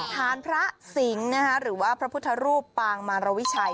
ฐานพระสิงห์หรือว่าพระพุทธรูปปางมารวิชัย